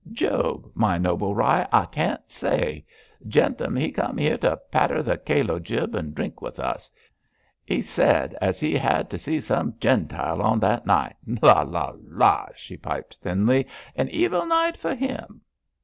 'Job! my noble rye, I can't say. Jentham, he come 'ere to patter the calo jib and drink with us. He said as he had to see some Gentile on that night! La! la! la!' she piped thinly, 'an evil night for him!'